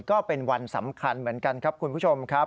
ก็เป็นวันสำคัญเหมือนกันครับคุณผู้ชมครับ